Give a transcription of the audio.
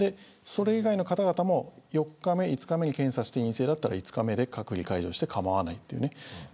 それ以外の方々も４日目５日目に検査して陰性だったら５日目で隔離解除して構わないというね。